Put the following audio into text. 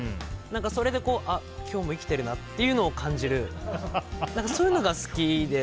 それで、あ、今日も生きてるなというのを感じるそういうのが好きで。